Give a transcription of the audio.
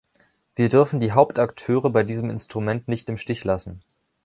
Wir dürfen die Hauptakteure bei diesem Instrument nicht im Stich lassen.